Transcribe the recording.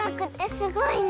すごいね！